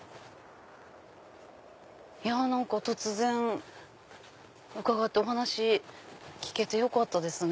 何か突然伺ってお話聞けてよかったですね。